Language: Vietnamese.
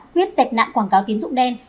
quyết sạch nạn quảng cáo tín dụng đen